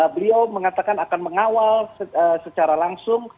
beliau mengatakan akan mengawal secara langsung